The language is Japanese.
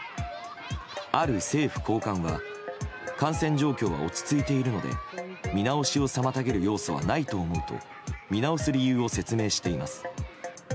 ある政府高官は感染状況は落ち着いているので見直しを妨げる要素はないと思うと見直す理由を説明しています。